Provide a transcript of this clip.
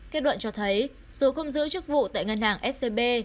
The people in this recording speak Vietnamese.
kết luận cho thấy dù không giữ chức vụ tại ngân hàng scb